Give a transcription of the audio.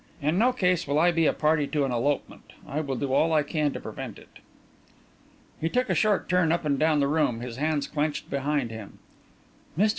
In no case, will I be a party to an elopement I will do all I can to prevent it." He took a short turn up and down the room, his hands clenched behind him. "Mr.